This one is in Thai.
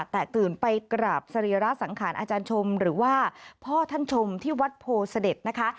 ตื่นไปกราบสรีระสังขารอาจารย์ชมหรือว่าพ่อท่านชมที่วัดโพเสด็จนะคะ